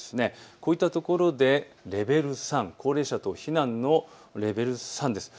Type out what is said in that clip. こういったところでレベル３、高齢者等避難のレベル３です。